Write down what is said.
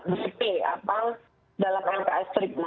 berarti apa dalam lks rignar